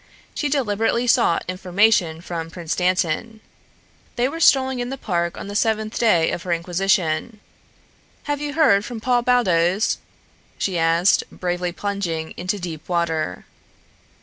She deliberately sought information from Prince Dantan. They were strolling in the park on the seventh day of her inquisition. "Have you heard from Paul Baldos?" she asked, bravely plunging into deep water.